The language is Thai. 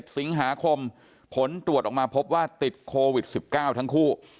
สิงหาคมผลตรวจออกมาพบว่าติดโควิด๑๙ทั้งคู่